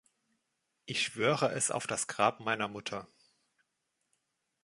Ich schwöre es auf das Grab meiner Mutter.